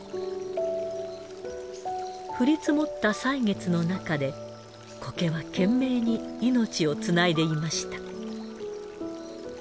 降り積もった歳月のなかで苔は懸命に命をつないでいました。